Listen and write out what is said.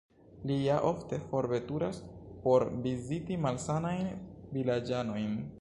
Li ja ofte forveturas por viziti malsanajn vilaĝanojn.